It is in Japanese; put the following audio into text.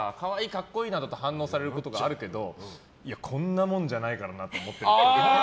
格好いいなどと反応されることがあるけどこんなもんじゃないからなと思ってるっぽい。